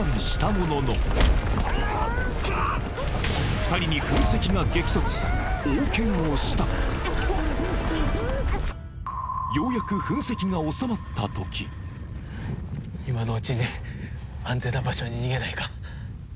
２人に噴石が激突大ケガをしたようやく今のうちに安全な場所に逃げないか？